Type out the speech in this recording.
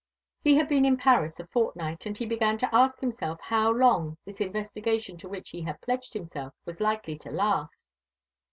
He had been in Paris a fortnight, and he began to ask himself how long this investigation to which he had pledged himself was likely to last.